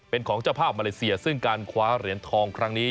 เป็นของเจ้าภาพมาเลเซียซึ่งการคว้าเหรียญทองครั้งนี้